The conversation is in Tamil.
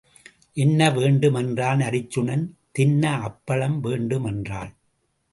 என்ன வேண்டும் என்றான் அருச்சுனன் தின்ன அப்பழம் வேண்டும் என்றாள்.